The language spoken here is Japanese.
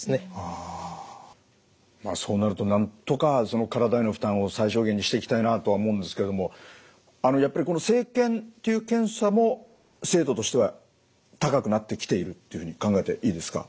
そうなるとなんとか体への負担を最小限にしていきたいなとは思うんですけどもやっぱり生検という検査も精度としては高くなってきているっていうふうに考えていいですか？